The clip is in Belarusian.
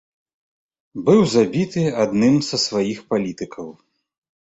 Быў забіты адным са сваіх палітыкаў.